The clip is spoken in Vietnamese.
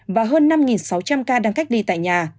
và hơn năm sáu trăm linh ca đang cách ly tại nhà